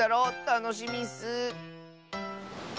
たのしみッス！